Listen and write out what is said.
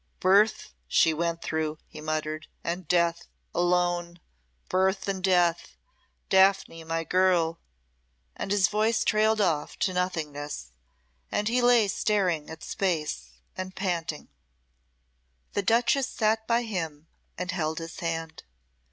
"Birth she went through," he muttered, "and death alone. Birth and death! Daphne, my girl " And his voice trailed off to nothingness, and he lay staring at space, and panting. The duchess sat by him and held his hand.